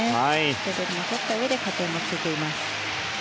レベルをとったうえで加点もついています。